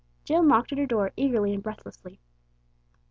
Jill knocked at her door eagerly and breathlessly.